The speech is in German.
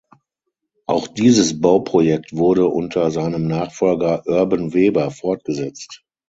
Auch dieses Bauprojekt wurde unter seinem Nachfolger Urban Weber fortgesetzt.